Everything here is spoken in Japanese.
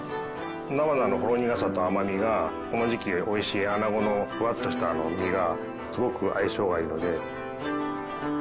菜花のほろ苦さと甘みがこの時期おいしい穴子のふわっとした身とすごく相性がいいので。